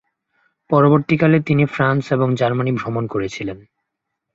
পরবর্তীকালে তিনি ফ্রান্স এবং জার্মানি ভ্রমণ করেছিলেন।